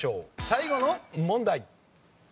最後の問題。